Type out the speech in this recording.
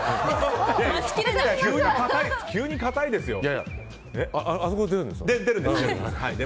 急にかたいですよ。